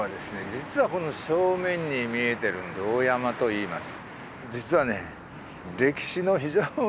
実はこの正面に見えてる堂山といいます。